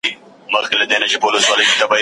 طبیبان یې په درملو سوله ستړي